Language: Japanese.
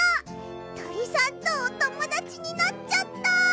とりさんとおともだちになっちゃった！